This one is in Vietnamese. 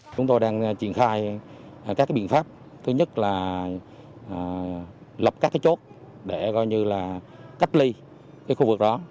chúng tôi đang triển khai các biện pháp thứ nhất là lọc các chốt để cách ly khu vực đó